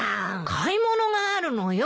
買い物があるのよ。